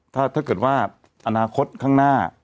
ถ้าเกิดว่าอนาคตข้างหน้า